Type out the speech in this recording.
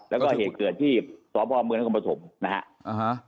แล้วก็เหตุเกิดที่สวมพร้อมเมืองนักความผสมนะฮะ